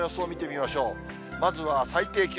まずは最低気温。